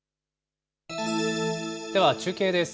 では中継です。